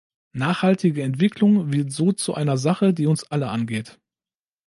Nachhaltige Entwicklung wird so zu einer Sache, die uns alle angeht.